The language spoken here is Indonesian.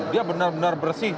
dia benar benar bersih